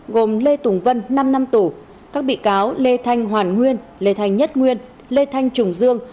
gồm lê tùng vân năm năm tù các bị cáo lê thanh hoàn nguyên lê thanh nhất nguyên lê thanh trùng dương